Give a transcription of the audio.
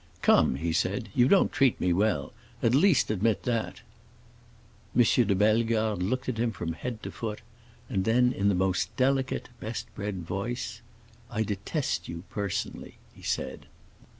"Come," he said, "you don't treat me well; at least admit that." M. de Bellegarde looked at him from head to foot, and then, in the most delicate, best bred voice, "I detest you personally," he said.